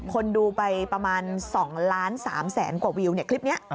คนดูไปประมาณ๒ล้าน๓แสนกว่าวิวคลิปนี้